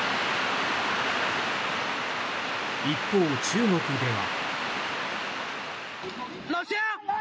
一方、中国では。